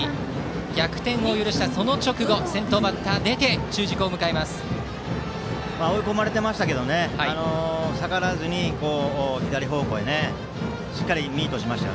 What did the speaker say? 逆転を許したその直後に先頭バッターが出て追い込まれてましたけど逆らわずに左方向にしっかりミートしました。